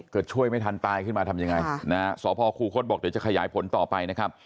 ช่วยไม่ทันตายขึ้นมาทำยังไงนะฮะสพคูคศบอกเดี๋ยวจะขยายผลต่อไปนะครับ